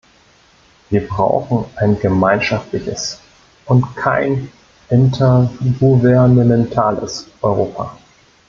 Wir brauchen ein gemeinschaftliches und kein intergouvernementales Europa.